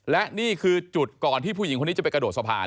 และนี่คือจุดก่อนที่ผู้หญิงคนนี้จะไปกระโดดสะพาน